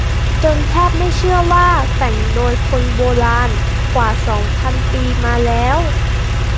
จนแทบไม่น่าเชื่อว่าแต่งโดยคนโบราณกว่าสองพันปีมาแล้ว